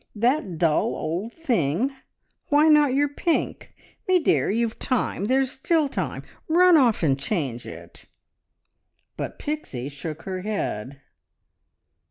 That dull old thing? Why not your pink? Me dear, you've time. ... There's still time. ... Run off and change it!" But Pixie shook her head.